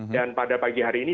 dan pada pagi hari ini